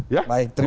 ya terima kasih